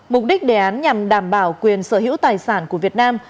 mục đích đề án nhằm đảm bảo quyền sở hữu tài sản của việt nam